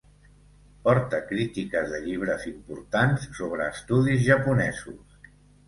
Porta crítiques de llibres importants sobre estudis japonesos.